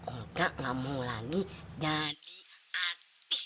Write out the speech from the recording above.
olga gak mau lagi jadi artis